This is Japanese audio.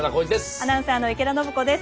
アナウンサーの池田伸子です。